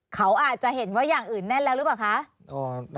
เขาอาจจะเห็นว่าอย่างอื่นแน่นแล้วหรือเปล่าคะ